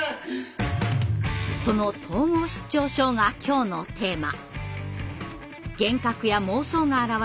その統合失調症が今日のテーマ。